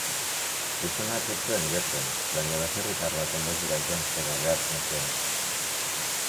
Gizonak ez zuen jotzen, baina baserritar baten modura janztera behartzen zuen.